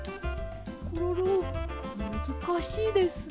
コロロむずかしいですね。